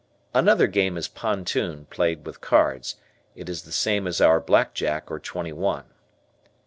Another game is "Pontoon" played with cards; it is the same as our "Black Jack," or "Twenty one."